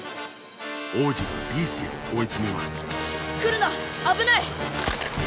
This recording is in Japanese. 王子がビーすけをおいつめますくるなあぶない！